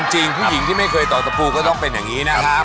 จริงผู้หญิงที่ไม่เคยต่อตะปูก็ต้องเป็นอย่างนี้นะครับ